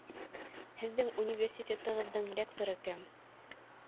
Һеҙҙең университетығыҙҙың ректоры кем?